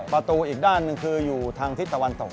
ประตูอีกด้านหนึ่งคืออยู่ทางทิศตะวันตก